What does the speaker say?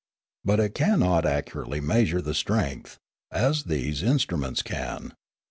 But it cannot accurately measure the strength, as these in struments can.